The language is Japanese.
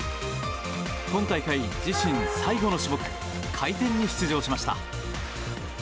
今大会、自身最後の種目回転に出場しました。